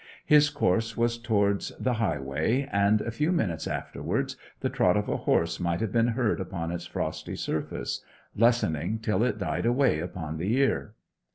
His course was towards the highway; and a few minutes afterwards the trot of a horse might have been heard upon its frosty surface, lessening till it died away upon the ear.